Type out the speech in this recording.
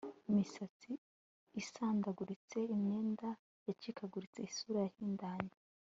imisatsi isandaguritse, imyenda yacikaguritse isura yahindanye